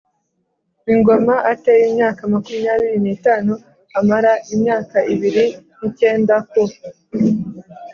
ingoma a te imyaka makumyabiri n itanu amara imyaka makumyabiri n icyenda ku